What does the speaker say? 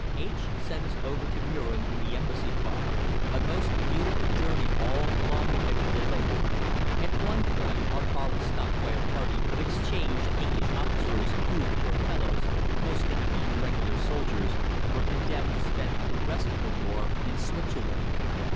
H. sent us over to Mürren in the embassy car, a most beautiful journey all along the edge of the lake. At one point our car was stopped by a party of exchanged English officers, who, poor fellows, mostly keen regular soldiers, were condemned to spend the rest of the war in Switzerland.